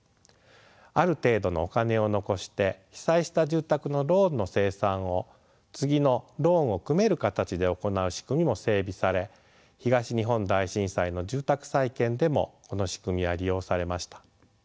ある程度のお金を残して被災した住宅のローンの清算を次のローンを組める形で行う仕組みも整備され東日本大震災の住宅再建でもこの仕組みは利用されました。